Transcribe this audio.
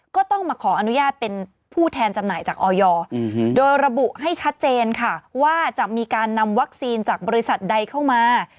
ก็ต้องมาขออนุญาตเป็นผู้แทนจำหน่ายจากออยโดยระบุให้ชัดเจนค่ะว่าจะมีการนำวัคซีนจากบริษัทใดเข้ามา